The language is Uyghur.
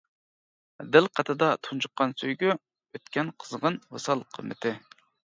دىل قېتىدا تۇنجۇققان سۆيگۈ-ئۆتكەن قىزغىن ۋىسال قىممىتى.